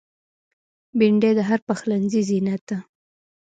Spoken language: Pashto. بېنډۍ د هر پخلنځي زینت ده